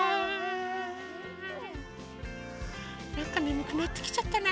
なんかねむくなってきちゃったな。